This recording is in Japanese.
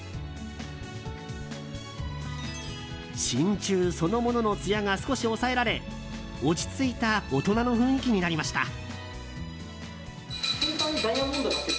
真鍮そのもののつやが少し抑えられ落ち着いた大人の雰囲気になりました。